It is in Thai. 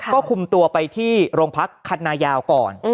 ก็คุมตัวไปที่โรงพักคันนายาวก่อน